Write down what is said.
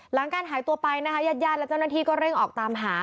หลังการหายตัวไปนะคะญาติญาติและเจ้าหน้าที่ก็เร่งออกตามหา